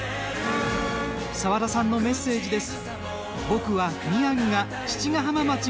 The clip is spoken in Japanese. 澤田さんのメッセージです。